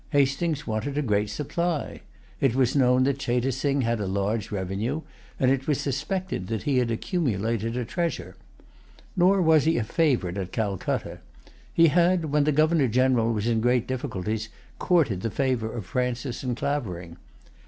Hastings[Pg 183] wanted a great supply. It was known that Cheyte Sing had a large revenue, and it was suspected that he had accumulated a treasure. Nor was he a favorite at Calcutta. He had, when the Governor General was in great difficulties, courted the favor of Francis and Clavering.